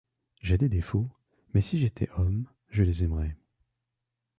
J’ai des défauts ; mais, si j’étais homme, je les aimerais.